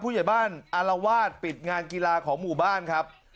ผู้ใหญ่บ้านอารวาสปิดงานกีฬาของหมู่บ้านครับ